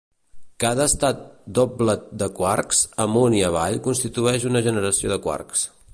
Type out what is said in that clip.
Cada estat doblet de quarks amunt i avall constitueix una generació de quarks.